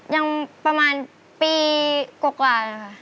ยังประมาณปีกว่ากว่าค่ะ